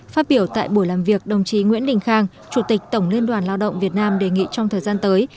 phát biểu tại buổi làm việc đồng chí nguyễn đình khang chủ tịch tổng liên đoàn lao động việt nam đề nghị trong thời gian tới